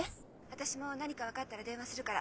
☎私も何か分かったら電話するから。